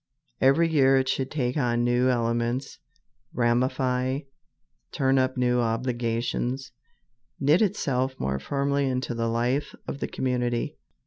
Every year it should take on new elements, ramify, turn up new obligations, knit itself more firmly into the life of the community.